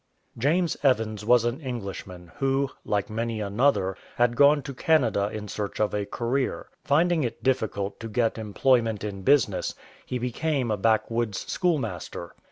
James Evans was an Englishman who, like many another, had gone to Canada in search of a career. Finding it difficult to get employment in business, he became a backwoods schoolmaster.